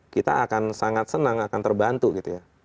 kita akan sangat senang akan terbantu gitu ya